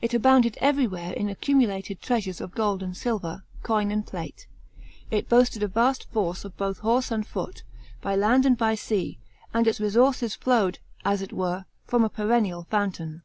It abounded everywhere in accumulated treasures of gold and silver, coin and plate ; it boasted a vast force both of horse and foot, by land and by sea, and its resources flowed, as it were, from a perennial fountain.